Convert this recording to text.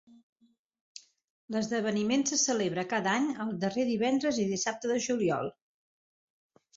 L'esdeveniment se celebra cada any el darrer divendres i dissabte de juliol.